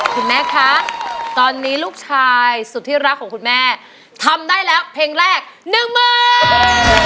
คุณแม่คะตอนนี้ลูกชายสุดที่รักของคุณแม่ทำได้แล้วเพลงแรกหนึ่งหมื่น